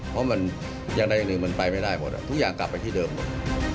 เพราะมันอย่างใดอย่างหนึ่งมันไปไม่ได้หมดทุกอย่างกลับไปที่เดิมหมด